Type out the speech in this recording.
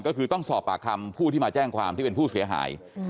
ก็คือต้องสอบปากคำผู้ที่มาแจ้งความเชื่อหาย